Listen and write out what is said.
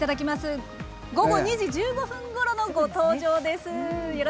午後２時１５分ごろのご登場です。